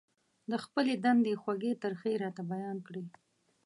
د خپلې دندې خوږې ترخې يې راته بيان کړې.